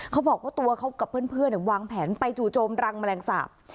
เขาบอกว่าตัวเขากับเพื่อนวางแผนไปจู่โจมรังแมลงสาป